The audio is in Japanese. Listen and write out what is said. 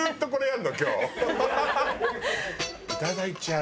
いただいちゃう。